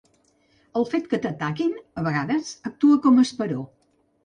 El fet que t’ataquin, a vegades, actua com a esperó.